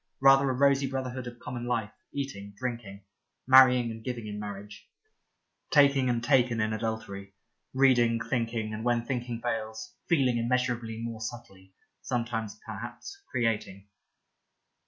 Rather a rosy Brotherhood of ,Common Life, eating, drinking ; marrying and giving in marriage ; taking and taken in adultery ; reading, thinking, and when thinking fails, feeling immeasurably more subtly, sometimes perhaps creating.